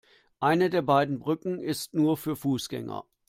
Eine der beiden Brücken ist nur für Fußgänger.